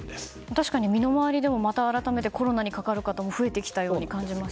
確かに身の回りでもまた改めてコロナにかかる人も増えてきたように感じます。